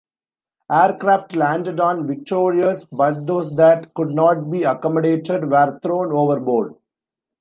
Aircraft landed on "Victorious" but those that could not be accommodated were thrown overboard.